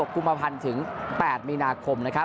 กุมภัณฑ์ถึง๘มีนาคม